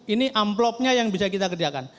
ini amplopnya yang bisa kita kerjakan